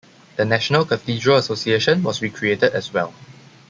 The National Cathedral Association was recreated as well.